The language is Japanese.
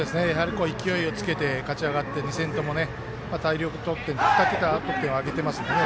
勢いをつけて勝ち上がって２試合とも大量得点、２桁得点を挙げてますんでね。